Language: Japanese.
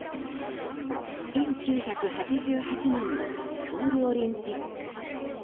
１９８８年のソウルオリンピック。